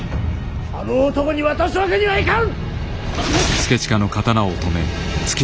あの男に渡すわけにはいかん！